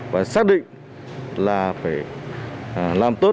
và xác định là phải làm tốt